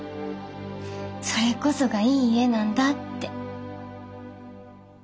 それこそがいい家なんだって。